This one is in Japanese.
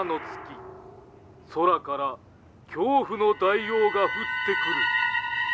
空から恐怖の大王が降ってくる」。